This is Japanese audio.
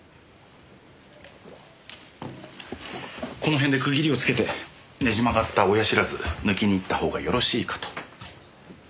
この辺で区切りをつけてねじ曲がった親知らず抜きに行ったほうがよろしいかと。